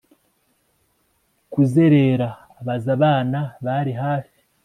Kuzerera abaza abana bari hafi